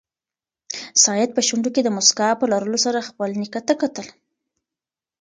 سعید په شونډو کې د موسکا په لرلو سره خپل نیکه ته کتل.